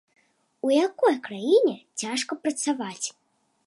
У якой краіне цяжка працаваць?